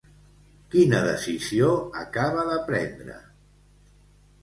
Quina decisió acaba de prendre?